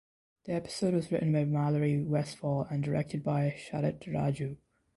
The episode was written by Mallory Westfall and directed by Sharat Raju.